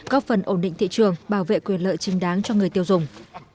góp phần ổn định thị trường bảo vệ quyền lợi chính đáng cho người tiêu dùng